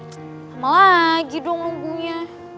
sama lagi dong lumbunya